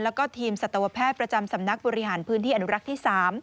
แล้วก็ทีมสัตวแพทย์ประจำสำนักบริหารพื้นที่อนุรักษ์ที่๓